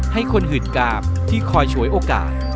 ให้คนหืดกามที่คอยฉวยโอกาส